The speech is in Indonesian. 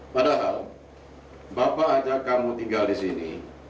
padahal bapak ajak kamu tinggal di sini